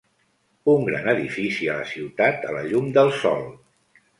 Un gran edifici a la ciutat a la llum del sol.